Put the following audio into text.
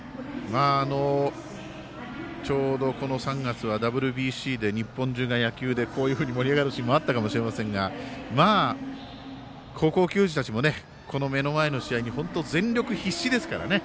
ちょうど、３月はＷＢＣで日本中が野球で、こういうふうに盛り上がるシーンがあったかもしれませんが高校球児たちも目の前の試合に本当に全力必死ですからね。